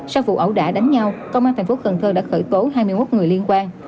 sau vụ ẩu đả đánh nhau công an thành phố cần thơ đã khởi tố hai mươi một người liên quan